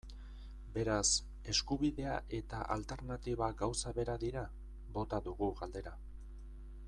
Beraz, eskubidea eta alternatiba gauza bera dira?, bota dugu galdera.